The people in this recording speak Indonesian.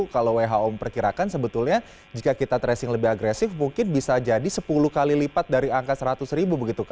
kalau who memperkirakan sebetulnya jika kita tracing lebih agresif mungkin bisa jadi sepuluh kali lipat dari angka seratus ribu begitu